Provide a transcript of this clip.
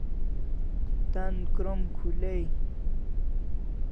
Tan krom khulai